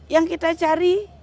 yang kita cari